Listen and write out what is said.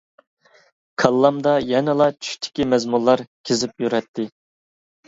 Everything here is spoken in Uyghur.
كاللامدا يەنىلا چۈشتىكى مەزمۇنلار كېزىپ يۈرەتتى.